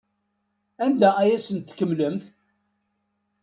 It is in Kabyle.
Anda ay asen-tkemmlemt?